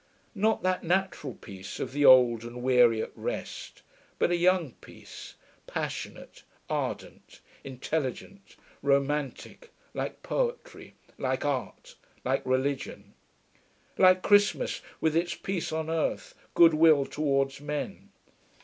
Not that natural peace of the old and weary at rest; but a young peace, passionate, ardent, intelligent, romantic, like poetry, like art, like religion. Like Christmas, with its peace on earth, goodwill towards men.